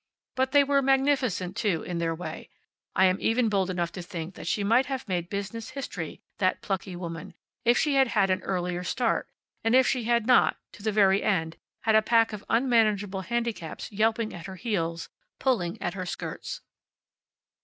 But they were magnificent too, in their way. I am even bold enough to think that she might have made business history, that plucky woman, if she had had an earlier start, and if she had not, to the very end, had a pack of unmanageable handicaps yelping at her heels, pulling at her skirts.